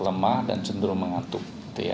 lemah dan cenderung mengantuk